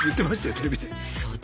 テレビで。